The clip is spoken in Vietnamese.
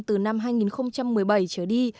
từ năm hai nghìn một mươi bảy trở đi